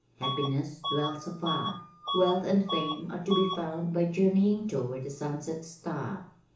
Happiness dwells afar. Wealth and fame are to be found by journeying toward the sunset star!"